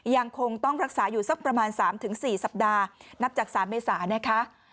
ยังคงต้องรักษาอยู่สักประมาณ๓๔สัปดาห์นับจาก๓เมษานะคะ